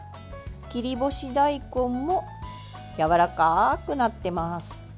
切り干し大根もやわらかくなってます。